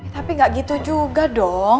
tapi gak gitu juga dong